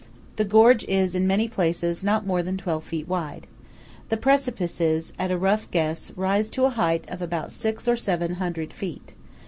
The gorge is in many places not more than twelve feet wide. The precipices, at a rough guess, rise to a height of about six or seven hundred feet.